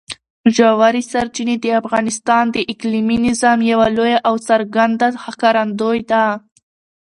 ژورې سرچینې د افغانستان د اقلیمي نظام یوه لویه او څرګنده ښکارندوی ده.